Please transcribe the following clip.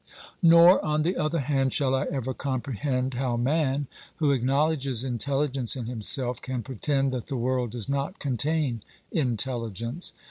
Nor, on the other hand, shall I ever comprehend how man, who acknowledges intelligence in himself, can pretend that the world does not contain intelligence.